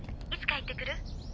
いつ帰ってくる？